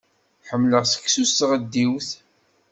Ḥemmleɣ seksu s tɣeddiwt.